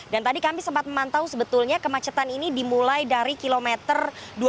dan tadi kami sempat memantau sebetulnya kemacetan ini dimulai dari kilometer dua puluh tiga